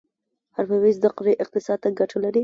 حرفوي زده کړې اقتصاد ته ګټه لري